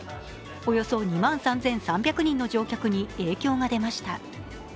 およそ２万３３００人の乗客に影響が出ました。